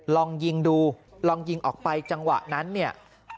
ลองยิงดูลองยิงออกไปจังหวะนั้นเนี่ย